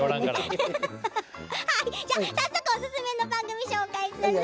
早速おすすめの番組を紹介する。